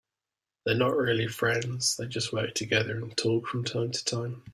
They are not really friends, they just work together and talk from time to time.